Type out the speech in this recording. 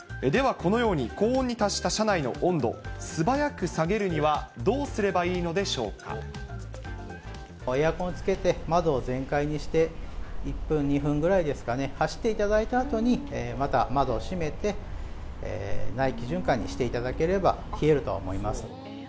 このように高温に達した車内の温度、素早く下げるには、エアコンをつけて、窓を全開にして、１分、２分ぐらいですかね、走っていただいたあとに、また窓を閉めて、内気循環にしていただければ冷えると思います。